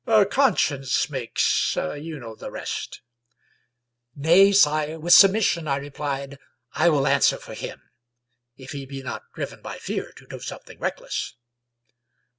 " Conscience makes — ^you know the rest." " Nay, sire, with submission," I replied, " I will answer for him; if he be not driven by fear to do something reckless."